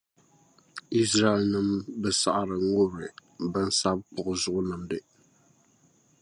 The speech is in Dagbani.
Izraɛlnim’ bi saɣiri ŋubiri binsakpuɣu zuɣu nimdi.